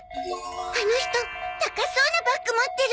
あの人高そうなバッグ持ってる。